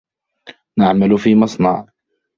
نعمل في مصنع.